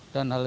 dan hal ini